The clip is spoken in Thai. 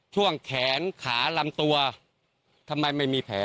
ช่วงแขนขาลำตัวทำไมไม่มีแผล